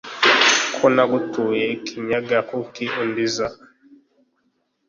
Ko nagutuye ikinyaga, kuki undiza